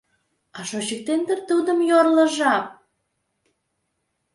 А шочыктен дыр тудым йорло жап?